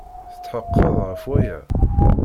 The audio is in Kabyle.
Tetḥeqqeḍ ɣef waya?